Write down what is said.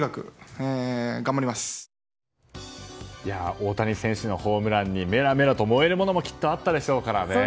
大谷選手のホームランにメラメラと燃えるものもきっとあったでしょうからね。